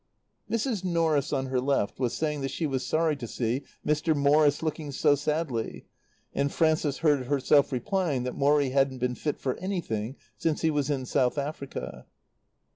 Mrs. Norris on her left was saying that she was sorry to see Mr. Maurice looking so sadly; and Frances heard herself replying that Morrie hadn't been fit for anything since he was in South Africa.